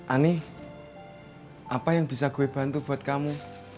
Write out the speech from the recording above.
ani apa yang bisa gue bantu buat kamu